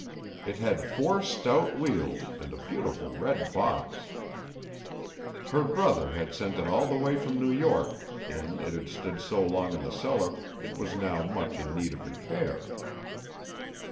It had four stout wheels and a beautiful red box. Her brother had sent it all the way from New York and it had stood so long in the cellar it was now much in need of repair.